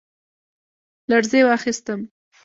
لـړزې واخيسـتم ،